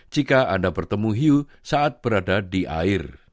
jika anda bertemu hiu saat berada di air